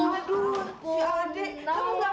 sekarang jom bayi